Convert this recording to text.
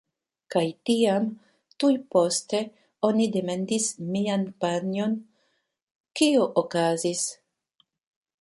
Kaj tiam, tuj poste, oni demandis mian panjon "kio okazis?"